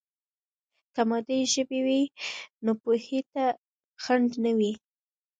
که مادي ژبه وي، نو پوهې ته خنډ نه وي.